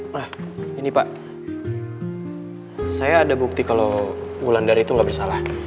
nah ini pak saya ada bukti kalau wulan dari itu nggak bersalah